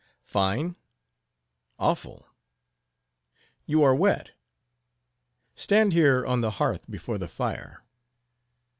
"Fine?—Awful!" "You are wet. Stand here on the hearth before the fire."